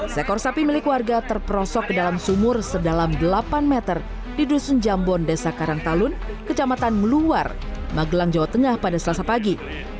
seekor sapi milik warga terperosok ke dalam sumur sedalam delapan meter di dusun jambon desa karangtalun kecamatan meluar magelang jawa tengah pada selasa pagi